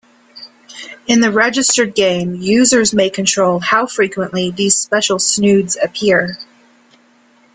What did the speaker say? In the registered game users may control how frequently these special Snoods appear.